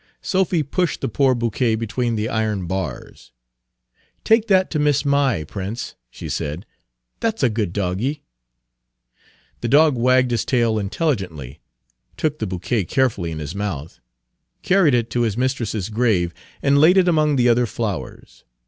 Sophy pushed the poor bouquet between the iron bars. "Take that ter Miss Ma'y, Prince," she said, "that's a good doggie." Page 290 The dog wagged his tail intelligently, took the bouquet carefully in his mouth, carried it to his mistress's grave, and laid it among the other flowers.